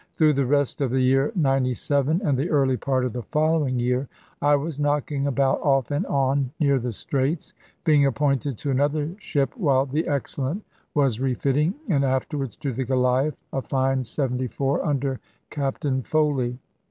Through the rest of the year '97 and the early part of the following year I was knocking about off and on near the Straits, being appointed to another ship while the Excellent was refitting, and afterwards to the Goliath, a fine 74, under Captain Foley.